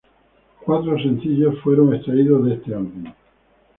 Cuatro sencillos fueron extraídos de este álbum.